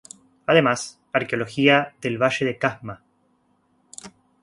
Además: "Arqueología del Valle de Casma.